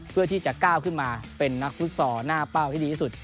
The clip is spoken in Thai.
เพื่อที่จะก้าวขึ้นมาเป็นนักฟุตซอลหน้าเป้าที่ดีที่สุด